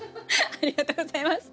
ありがとうございます。